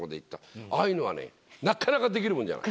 ああいうのはねなかなかできるもんじゃない。